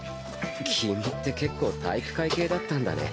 君って結構体育会系だったんだね。